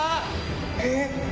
えっ？